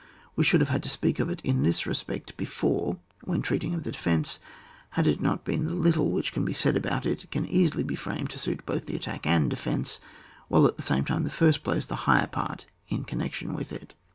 We should have had to speak of it in this respect before when treating of the defence, had it not been that the little which can be said about it can easily be framed to suit for both attack and de fence, while at the same time the first plays the higher part in connection with it.